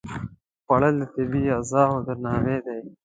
خوړل د طبیعي غذاو درناوی دی